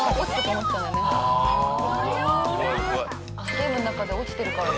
ゲームの中で落ちてるから。